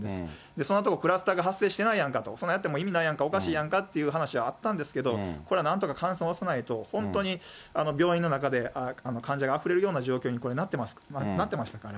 その所、クラスターが発生してないやんか、そんなんやっても意味ないやんか、おかしいやんかという話し合ったんですけど、これはなんとか感染を抑えないと、本当に病院の中で、患者があふれるような状況に、これなってましたから。